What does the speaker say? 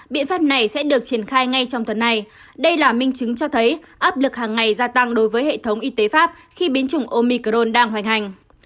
biện pháp này sẽ được triển khai ngay trong tuần này đây là minh chứng cho thấy áp lực hàng ngày gia tăng đối với hệ thống y tế pháp khi biến chủng omicron đang hoành hành